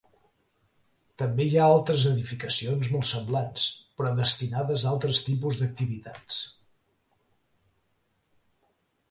També hi ha altres edificacions molt semblants però destinades a altres tipus d'activitats.